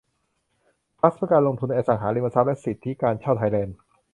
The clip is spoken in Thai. ทรัสต์เพื่อการลงทุนในอสังหาริมทรัพย์และสิทธิการเช่าไทยแลนด์